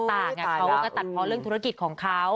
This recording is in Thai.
ต่างเขาก็ตัดเพราะเรื่องธุรกิจของเขา